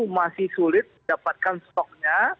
masih sulit mendapatkan stoknya